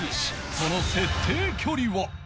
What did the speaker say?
その設定距離は